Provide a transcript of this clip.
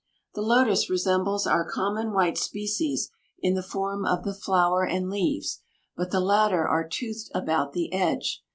The lotus resembles our common white species in the form of the flower and leaves, but the latter are toothed about the edge.